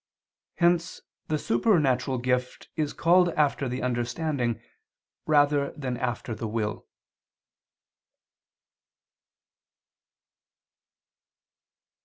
Hence the supernatural gift is called after the understanding rather than after the will.